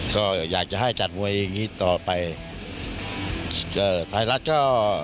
ก็อยากจะให้จัดมวยอย่างงี้ต่อไปก็ไทยรัฐก็